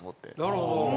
なるほど。